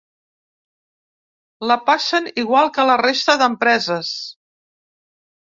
La passen igual que la resta d’empreses.